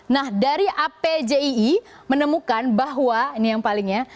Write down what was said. nah dari apjii menemukan bahwa ini yang paling ya